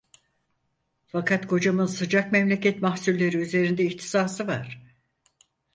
Fakat kocamın sıcak memleket mahsulleri üzerinde ihtisası var.